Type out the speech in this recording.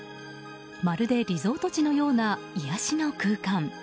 まるでリゾート地のような癒やしの空間。